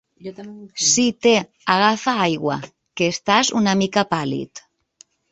Sí, té, agafa aigua que estàs una mica pàl·lid.